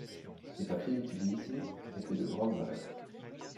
Les papiers utilisés étaient de grande valeur.